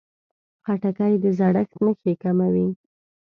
خټکی د زړښت نښې کموي.